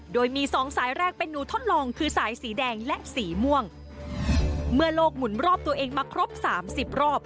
โดยมีสองสายแรกเป็นหนูทดลองคือสายสีแดงและสีม่วงเมื่อโลกหมุนรอบตัวเองมาครบสามสิบรอบ